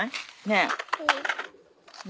ねえ。